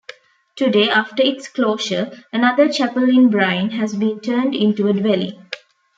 Today, after its closure, another chapel in Bryn has been turned into a dwelling.